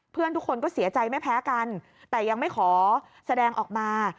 ทุกคนก็เสียใจไม่แพ้กันแต่ยังไม่ขอแสดงออกมา